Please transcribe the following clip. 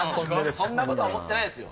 そんなことは思ってないですよ。